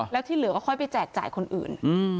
แล้วที่เหลือก็ค่อยไปแจกจ่ายคนอื่น